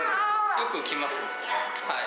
よく来ますね。